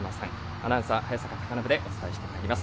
アナウンサー、早坂隆信でお伝えしてまいります。